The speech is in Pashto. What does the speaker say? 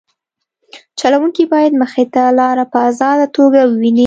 چلوونکی باید مخې ته لاره په ازاده توګه وویني